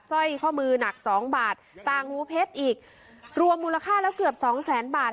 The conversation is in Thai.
สร้อยข้อมือหนักสองบาทต่างหูเพชรอีกรวมมูลค่าแล้วเกือบสองแสนบาท